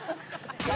何？